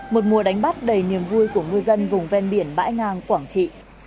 một mùa đánh bắt đầy niềm vui của ngư dân vùng ven biển bãi ngang quảng trị